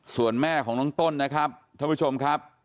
ส่วนแม่ของน้องต้นนะครับท่านผู้ชมครับ